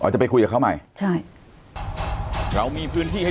อ๋อจะไปคุยกับเขาใหม่ใช่